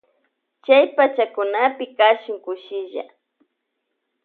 Chay pachakunapi kashun kushilla.